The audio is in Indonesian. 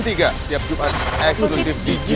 tiap jumat eksklusif di gtv